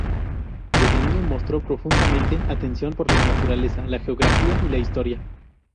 Desde niño mostró profunda atención por la naturaleza, la geografía, y la historia.